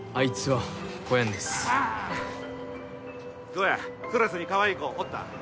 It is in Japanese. どやクラスにかわいい子おった？